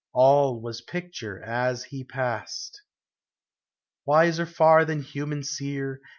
All was picture as he passed. Wiser far tlian human seer.